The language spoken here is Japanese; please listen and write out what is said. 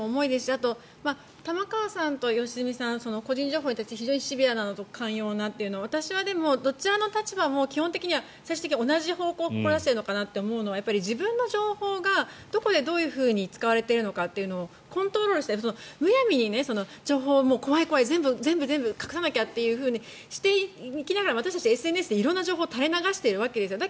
あと、玉川さんと良純さん個人情報に対して非常にシビアなのと寛容なというのは私もどちらの立場も最終的に同じ方向を志しているのかなと思うのは自分の情報がどこでどういうふうに使われているかというのをコントロールむやみに情報は怖い全部隠さなきゃとしていきながら私たちはＳＮＳで色んな情報を垂れ流しているわけですよ。